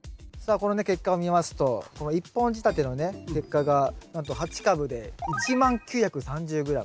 このね結果を見ますと１本仕立てのね結果がなんと８株で１万９３０ｇ。